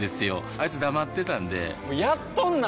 あいつ黙ってたんでやっとんなー！